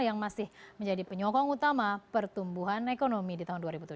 yang masih menjadi penyokong utama pertumbuhan ekonomi di tahun dua ribu tujuh belas